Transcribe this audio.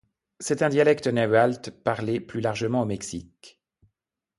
C'est un dialecte du nahuatl parlé plus largement au Mexique.